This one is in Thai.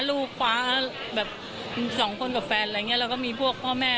พูดสิทธิ์ข่าวธรรมดาทีวีรายงานสดจากโรงพยาบาลพระนครศรีอยุธยาครับ